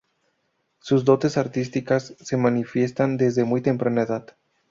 Sus dotes artísticas se manifiestan desde muy temprana edad.